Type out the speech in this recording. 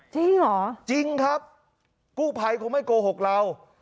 จริงเหรอจริงครับกู้ภัยคงไม่โกหกเรา